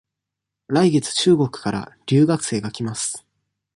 来月中国から留学生が来ます。